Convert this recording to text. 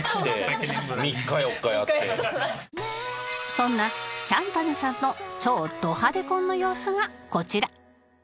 そんなシャンタヌさんの超ド派手婚の様子がこちら